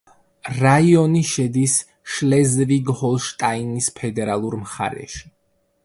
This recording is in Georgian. რაიონი შედის შლეზვიგ-ჰოლშტაინის ფედერალურ მხარეში.